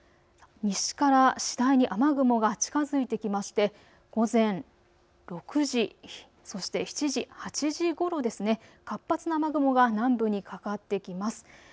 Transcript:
西から次第に雨雲が近づいてきまして午前６時、そして７時、８時ごろですね、活発な雨雲が南部にかかってきます。